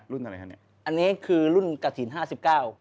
รุ่นใดอันนี้คือรุ่นกระถิล๕๙